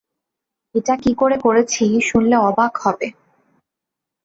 এটা কী করে করেছি শুনলে অবাক হবে।